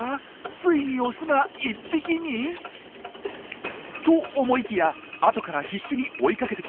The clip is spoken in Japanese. ついにオスが１匹に？と思いきや後から必死に追いかけてきます。